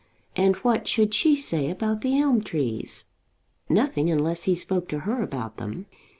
And what should she say about the elm trees? Nothing, unless he spoke to her about them.